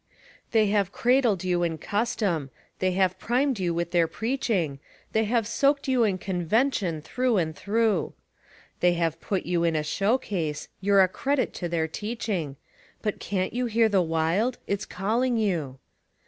They have cradled you in custom, they have primed you with their preaching, They have soaked you in convention through and through; They have put you in a showcase; you're a credit to their teaching But can't you hear the Wild? it's calling you.